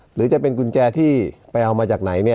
หรือจะเป็นกุญแจที่ไปเอามาจากไหน